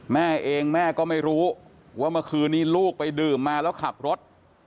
แม่เองแม่ก็ไม่รู้ว่าเมื่อคืนนี้ลูกไปดื่มมาแล้วขับรถ